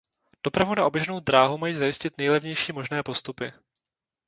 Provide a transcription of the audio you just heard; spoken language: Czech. Dopravu na oběžnou dráhu mají zajistit nejlevnější možné postupy.